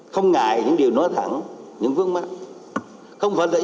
không ngại những điều nói thẳng những vương mắt